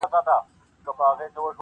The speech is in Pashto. o راتلو کي به معیوبه زموږ ټوله جامعه وي,